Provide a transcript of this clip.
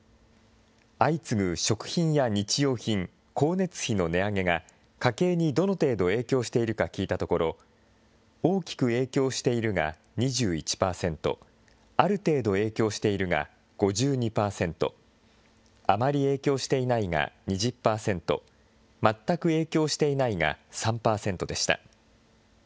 相次ぐ食品や日用品、光熱費の値上げが、家計にどの程度影響しているか聞いたところ、大きく影響しているが２１％、ある程度影響しているが５２％、あまり影響していないが２０％、まったく影響していないが３％でした。